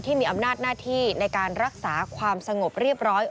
ที่มีอำนาจหน้าที่ในการรักษาความสงบเรียบร้อย